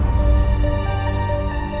kamu baik sendiri